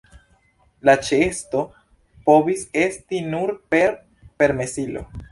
La ĉeesto povis esti nur per permesilo.